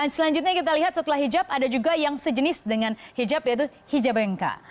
selanjutnya kita lihat setelah hijab ada juga yang sejenis dengan hijab yaitu hijabhengka